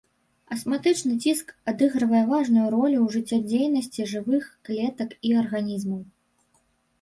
Асматычны ціск адыгрывае важную ролю ў жыццядзейнасці жывых клетак і арганізмаў.